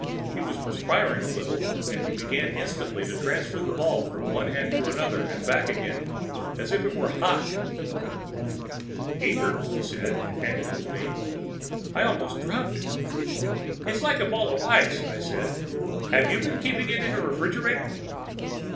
He was perspiring a little and he began instantly to transfer the ball from one hand to another and back again as if it were hot. "Here," he said, and handed it to me. I almost dropped it. "It's like a ball of ice!" I said. "Have you been keeping it in the refrigerator?"